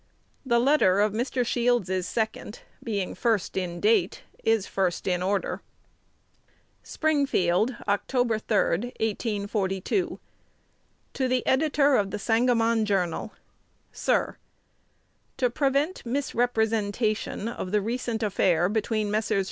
The letter of Mr. Shields's second, being first in date, is first in order. Springfield, Oct. 3, 1842. To the Editor op "The Sangamon Journal." Sir, To prevent misrepresentation of the recent affair between Messrs.